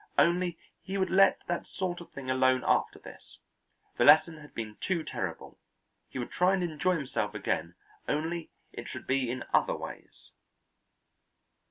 Only he would let that sort of thing alone after this, the lesson had been too terrible; he would try and enjoy himself again, only it should be in other ways.